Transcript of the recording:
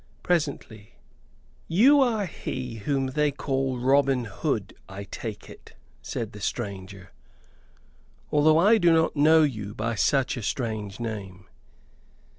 Presently: "You are he whom they call Robin Hood, I take it," said the stranger, "although I do not know you by such a strange name."